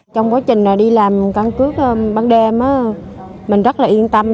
trong quá trình đi làm căn cước ban đêm mình rất là yên tâm